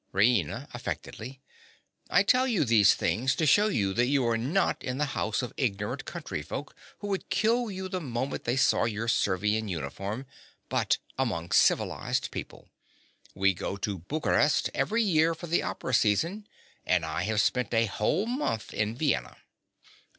RAINA. (affectedly). I tell you these things to shew you that you are not in the house of ignorant country folk who would kill you the moment they saw your Servian uniform, but among civilized people. We go to Bucharest every year for the opera season; and I have spent a whole month in Vienna.